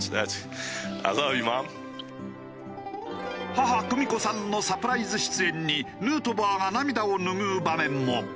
母久美子さんのサプライズ出演にヌートバーが涙を拭う場面も。